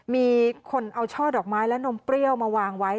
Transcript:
มีคนเอาช่อดอกไม้และนมเปรี้ยวมาวางไว้